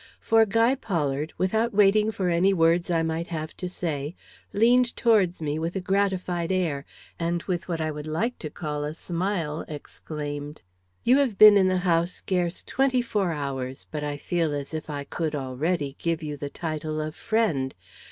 For Guy Pollard, without waiting for any words I might have to say, leaned towards me with a gratified air, and with what I would like to call a smile, exclaimed: "You have been in the house scarce twenty four hours, but I feel as if I could already give you the title of friend.